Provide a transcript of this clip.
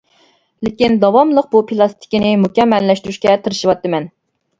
لېكىن داۋاملىق بۇ پىلاستىنكىنى مۇكەممەللەشتۈرۈشكە تىرىشىۋاتىمەن.